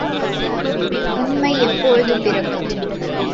உண்மை எப்போது பிறக்கும்?